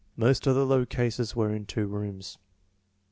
Most of the low cases were in two rooms.